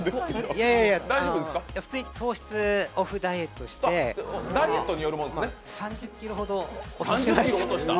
いやいやいや、普通に糖質オフダイエットをして３０ｋｇほど落としました。